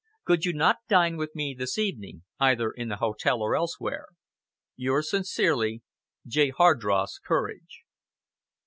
Could you not dine with me this evening, either in the hotel or elsewhere? "Yours sincerely, "J. HARDROSS COURAGE."